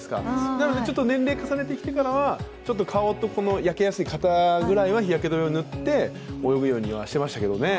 なので年齢重ねてきたところは顔と焼けやすい肩のところは日焼け止めを塗って泳ぐようにはしてましたけどね。